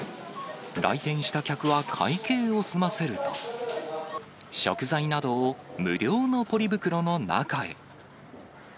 来店した客は会計を済ませると、食材などを無料のポリ袋の中へ。